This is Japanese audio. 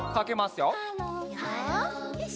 よし。